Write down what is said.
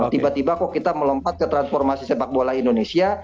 tiba tiba kok kita melompat ke transformasi sepak bola indonesia